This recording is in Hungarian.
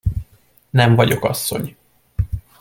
Nem vagyok asszony!